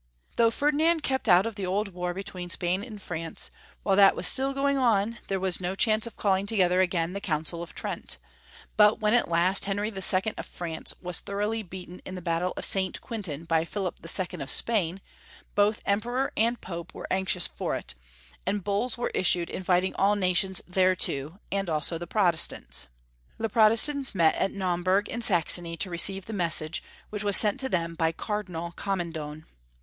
Though Ferdinand kept out of the old war between Spain and France, while that was still going on there was no chance of calling together again the Council of Trent; but when at last Henry II. of France was thoroughly beaten in the battle of St. Quentin by Philip II. of Spain, both Emperor and Pope were anxious for it, and Bulls were issued invitmg all nations thereto, and also the Protestants. The Protestants met at Naum burg in Saxony to receive the message, wliich was sent to them by Cardinal Commendone.